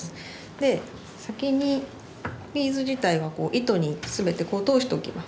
で先にビーズ自体は糸に全てこう通しておきます。